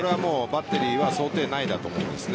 バッテリーは想定内だと思うんです。